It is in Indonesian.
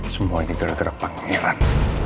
semua ini gerak gerak panggilan